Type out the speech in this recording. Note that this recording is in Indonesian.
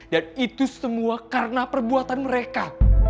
dan itu semua karena perbuatan mereka